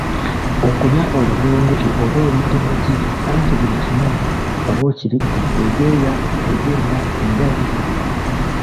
Okulya oluvulunguti oba olidde magi anti buli kimu oba okiridde ebyoya, ebyenda, enjala n'ebirala